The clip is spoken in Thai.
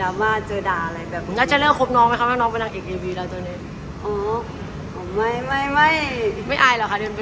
ไม่ไม่อายหรอกค่ะเดินไปด้วยมีแต่คนไปด้วย